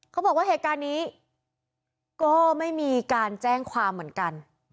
เขาบอกว่าเหตุการณ์นี้ก็ไม่มีการแจ้งความเหมือนกัน